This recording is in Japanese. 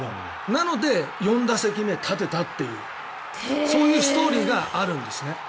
なので４打席目に立てたというそういうストーリーがあるんですね。